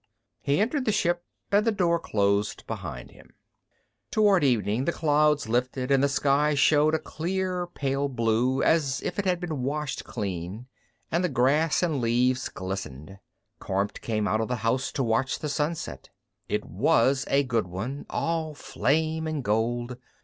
_ He entered the ship and the door closed behind him. Toward evening, the clouds lifted and the sky showed a clear pale blue as if it had been washed clean and the grass and leaves glistened. Kormt came out of the house to watch the sunset. It was a good one, all flame and gold.